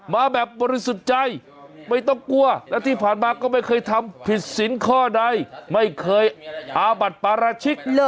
มาแบบบริสุทธิ์ใจไม่ต้องกลัวและที่ผ่านมาก็ไม่เคยทำผิดสินข้อใดไม่เคยอาบัติปราชิก